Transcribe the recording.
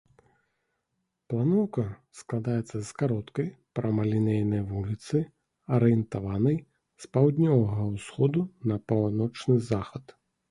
Планоўка складаецца з кароткай прамалінейнай вуліцы, арыентаванай з паўднёвага ўсходу на паўночны захад.